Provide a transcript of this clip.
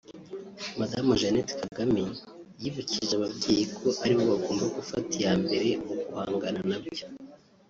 Madamu Jeannette Kagame yibukije ababyeyi ko ari bo bagomba gufata iya mbere mu guhangana nabyo